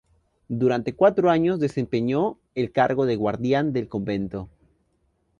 Durante cuatro años desempeñó el cargo de guardián del convento.